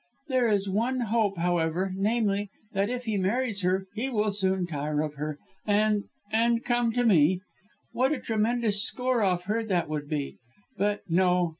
There is one hope, however, namely that if he marries her, he will soon tire of her and and come to me. What a tremendous score off her that would be! But, no!